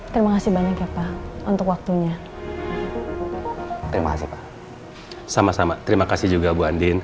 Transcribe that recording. terima kasih banyak ya pak untuk waktunya terima kasih sama sama terima kasih juga bu andin